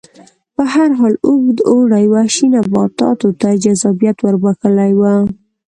په هر حال اوږد اوړي وحشي نباتاتو ته جذابیت ور بخښلی و